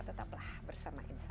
tetaplah bersama insight